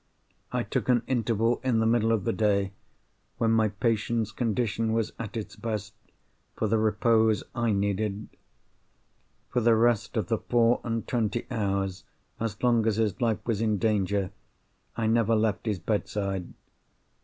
I took an interval in the middle of the day, when my patient's condition was at its best, for the repose I needed. For the rest of the four and twenty hours, as long as his life was in danger, I never left his bedside.